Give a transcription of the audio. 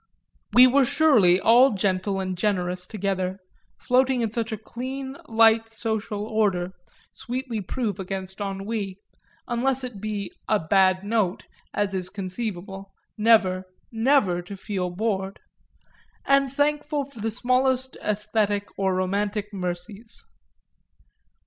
We were surely all gentle and generous together, floating in such a clean light social order, sweetly proof against ennui unless it be a bad note, as is conceivable, never, never to feel bored and thankful for the smallest æsthetic or romantic mercies.